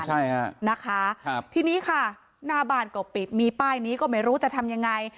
ใช่ค่ะนะคะครับทีนี้ค่ะหน้าบ้านก็ปิดมีป้ายนี้ก็ไม่รู้จะทำยังไง